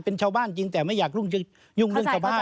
เป็นชาวบ้านจริงแต่ไม่อยากยุ่งเรื่องชาวบ้าน